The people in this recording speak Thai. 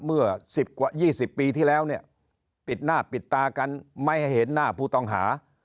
เมื่อ๑๐กว่า๒๐ปีที่แล้วเนี่ยปิดหน้าปิดตากันไม่ให้เห็นหน้าผู้ต้องหา